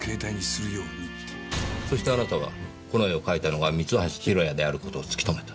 そしてあなたはこの絵を描いたのが三橋弘也である事を突き止めた。